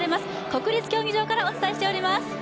国立競技場からお伝えしております。